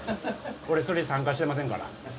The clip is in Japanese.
俺それ参加してませんから。